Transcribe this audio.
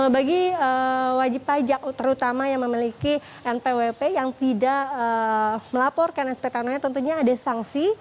bagi wajib pajak terutama yang memiliki npwp yang tidak melaporkan spt tentunya ada sanksi